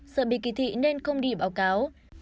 sợ bị kỳ thị nên không đi báo cáo